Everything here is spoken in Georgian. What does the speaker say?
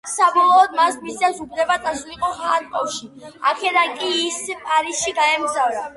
საბოლოოდ მას მისცეს უფლება წასულიყო ხარკოვში; აქედან კი ის პარიზში გაემგზავრა.